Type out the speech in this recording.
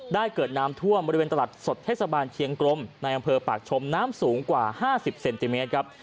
เกิดน้ำท่วมบริเวณตลาดสดเทศบาลเชียงกรมในอำเภอปากชมน้ำสูงกว่า๕๐เซนติเมตรครับ